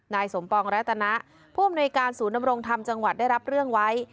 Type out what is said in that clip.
นายสมปองรัตนะผู้อำนวยการศูนย์นำรงธรรมจังหวัดได้รับเรื่องไว้